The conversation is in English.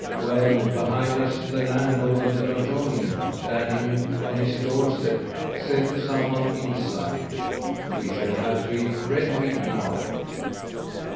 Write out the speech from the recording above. Well, behind us the landlord of the Donjon Inn, standing on his doorstep, said to someone inside: 'We shall have to eat red meat now.